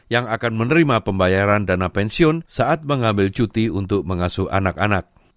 yang akan menerima pembayaran dana pensiun saat mengambil cuti untuk mengasuh anak anak